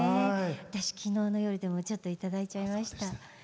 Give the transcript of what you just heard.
私、昨日の夜ちょっといただいちゃいました。